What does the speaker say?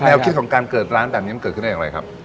คิดของการเกิดร้านแบบนี้มันเกิดขึ้นได้อย่างไรครับ